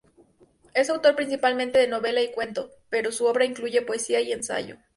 Es autor principalmente de novela y cuento, pero su obra incluye poesía y ensayo.